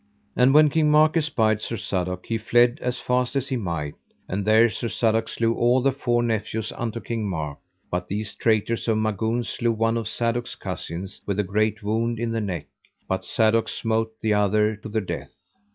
And when King Mark espied Sir Sadok he fled as fast as he might, and there Sir Sadok slew all the four nephews unto King Mark. But these traitors of Magouns slew one of Sadok's cousins with a great wound in the neck, but Sadok smote the other to the death.